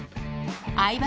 相葉